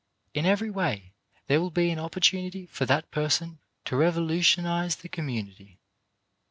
In every way there will be an opportun ity for that person to revolutionize the community.